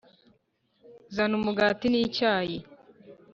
zana umugati n'icyayi